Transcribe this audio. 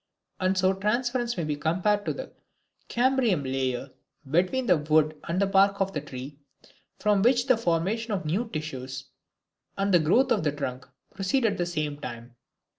And so transference may be compared to the cambrium layer between the wood and the bark of a tree, from which the formation of new tissues and the growth of the trunk proceed at the same time.